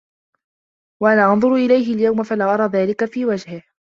وَأَنَا أَنْظُرُ إلَيْهِ الْيَوْمَ فَلَا أَرَى ذَلِكَ فِي وَجْهِهِ